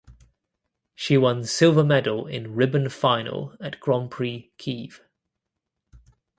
She won silver medal in Ribbon final at Grand Prix Kiev.